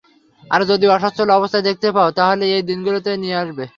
আর যদি অসচ্ছল অবস্থা দেখতে পাও তাহলে এই দিনারগুলো দিয়ে আসবে।